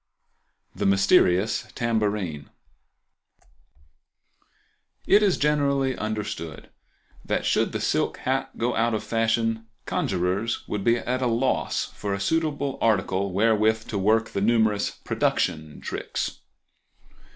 The Mysterious Tambourine.—It is generally understood that, should the silk hat go out of fashion, conjurers would be at a loss for a suitable article wherewith to work the numerous "production" tricks.